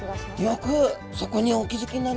よくそこにお気付きになりました。